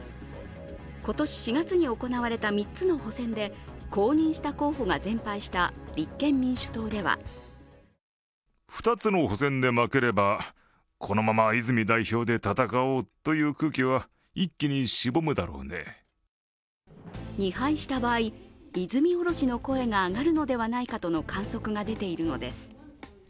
今年４月に行われた３つの補選で公認した候補が全敗した立憲民主党では２敗した場合、泉おろしの声があがるのではないかとの観測が出ているのです。